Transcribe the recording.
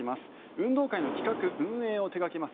運動会の企画・運営を手掛けます